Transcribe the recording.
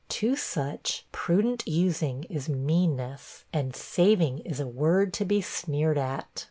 To such, 'prudent using' is meanness and 'saving' is a word to be sneered at.